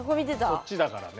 そっちだからね。